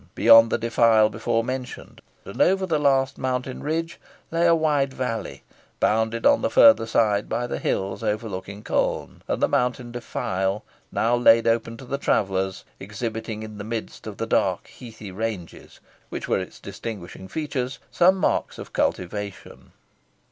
Beyond the defile before mentioned, and over the last mountain ridge, lay a wide valley, bounded on the further side by the hills overlooking Colne, and the mountain defile, now laid open to the travellers, exhibiting in the midst of the dark heathy ranges, which were its distinguishing features, some marks of cultivation.